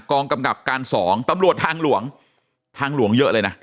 กองกำกับการสองตำรวจทางหลวงทางหลวงเยอะเลยนะ